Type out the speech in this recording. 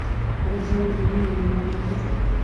ځورول د میني لومړنۍ غذا ده.